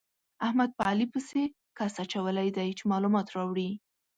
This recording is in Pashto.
احمد په علي پسې کس اچولی دی چې مالومات راوړي.